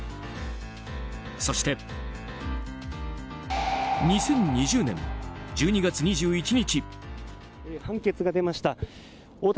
そして２０２０年１２月２１日。